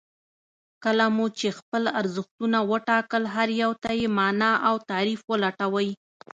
کله مو چې خپل ارزښتونه وټاکل هر يو ته يې مانا او تعريف ولټوئ.